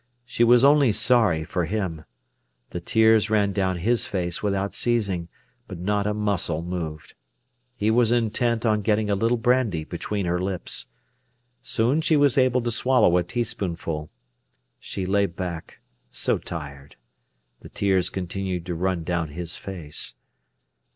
She was only sorry for him. The tears ran down his face without ceasing, but not a muscle moved. He was intent on getting a little brandy between her lips. Soon she was able to swallow a teaspoonful. She lay back, so tired. The tears continued to run down his face.